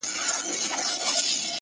سوال کوم کله دي ژړلي گراني !!